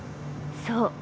そう。